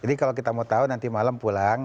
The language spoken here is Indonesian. jadi kalau kita mau tahu nanti malam pulang